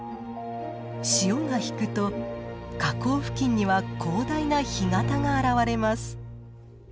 潮が引くと河口付近には広大な干潟が現れます。